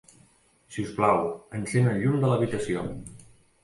Si us plau, encén el llum de l'habitació.